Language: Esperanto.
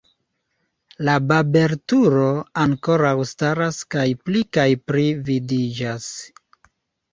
La babelturo ankoraŭ staras kaj pli kaj pli vidiĝas.